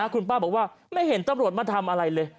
คุณป้าบอกว่าไม่เห็นตำรวจมาทำอะไรเลย